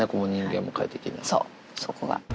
そう、そこが。